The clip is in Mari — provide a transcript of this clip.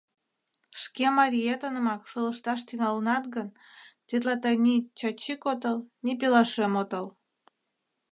Шке мариетынымак шолышташ тӱҥалынат гын, тетла тый ни Чачик отыл, ни пелашем отыл!